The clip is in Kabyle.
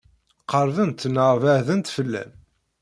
Qeṛbent neɣ beɛdent fell-am?